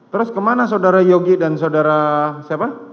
terus kemana saudara yogi dan saudara siapa